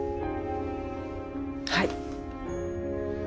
はい。